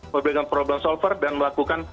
memberikan problem solver dan melakukan